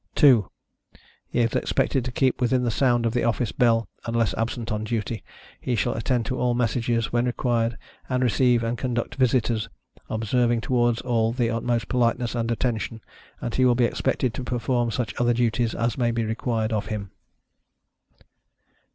2. He is expected to keep within the sound of the office bell, unless absent on duty; he shall attend to all messages, when required, and receive and conduct visitorsâ€"observing toward all the utmost politeness and attention; and he will be expected to perform such other duties as may be required of him.